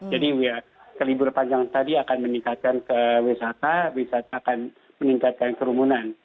jadi ya ke libur panjang tadi akan meningkatkan kewisataan wisata akan meningkatkan kerumunan